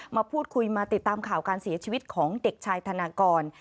มาพูดคุยมาติดตามข่าวการเสียชีวิตของเด็กชายธนากร